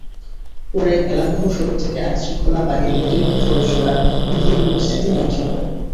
পরে মেলান্দহ সদর থেকে আইনশৃঙ্খলা বাহিনীর অতিরিক্ত সদস্যরা গিয়ে পরিস্থিতি নিয়ন্ত্রণ করেন।